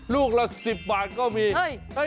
ลูกละ๑๐บาทก็มี